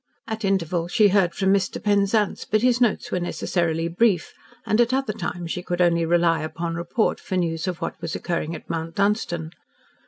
At intervals she heard from Mr. Penzance, but his notes were necessarily brief, and at other times she could only rely upon report for news of what was occurring at Mount Dunstan.